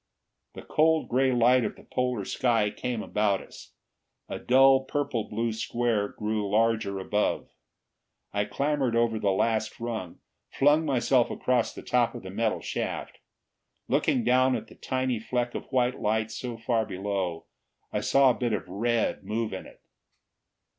The cold gray light of the polar sky came about us; a dull, purple blue square grew larger above. I clambered over the last rung, flung myself across the top of the metal shaft. Looking down at the tiny fleck of white light so far below, I saw a bit of red move in it.